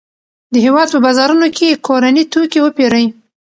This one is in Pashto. د هېواد په بازارونو کې کورني توکي وپیرئ.